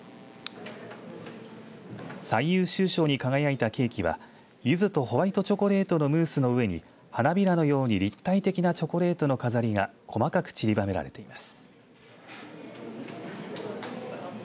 最優秀賞に輝いたケーキはゆずとホワイトチョコレートのムースの上に花びらのように立体的なチョコレートの飾りが細かくちりばめられています。